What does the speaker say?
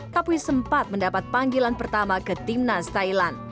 pada tahun dua ribu tiga belas capuis sempat mendapat panggilan pertama ke timnas thailand